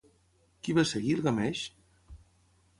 Qui va ser Guilgameix?